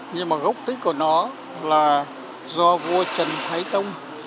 nhưng mà gốc tích của nó là do vua trần thái tông